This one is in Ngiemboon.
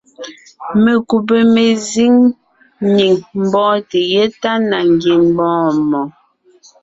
Mekúbè mezíŋ nyìŋ mbɔ́ɔnte yétana ngiembɔɔn mɔɔn.